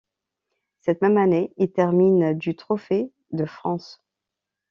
Cette même année il termine du Trophée de France.